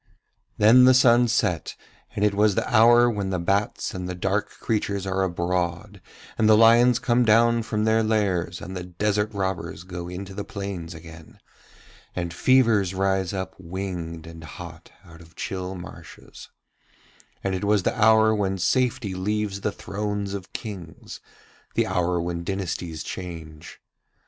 Then the sun set, and it was the hour when the bats and the dark creatures are abroad and the lions come down from their lairs, and the desert robbers go into the plains again, and fevers rise up winged and hot out of chill marshes, and it was the hour when safety leaves the thrones of Kings, the hour when dynasties change.